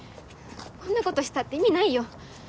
こんなことしたって意味ないよ